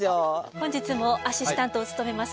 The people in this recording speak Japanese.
本日もアシスタントを務めます